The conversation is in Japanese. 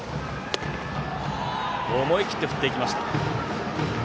思い切って振っていきました。